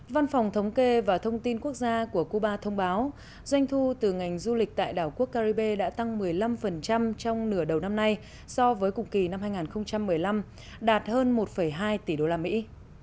văn phòng thống kê và thông tin quốc gia của cuba thông báo doanh thu từ ngành du lịch tại đảo quốc caribe đã tăng một mươi năm trong nửa đầu năm nay so với cùng kỳ năm hai nghìn một mươi năm đạt hơn một hai tỷ đô la mỹ